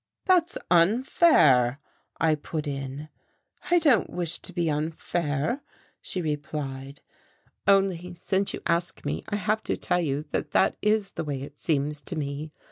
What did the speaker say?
"That's unfair," I put in. "I don't wish to be unfair," she replied. "Only, since you ask me, I have to tell you that that is the way it seems to me.